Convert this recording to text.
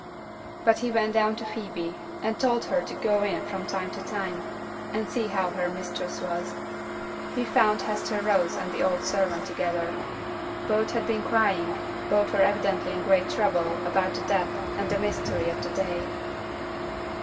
But he went down to Phoebe, and told her to go in from time to time, and see how her mistress was. He found Hester Rose and the old servant together; both had been crying, both were evidently in great trouble about the death and the mystery of the day.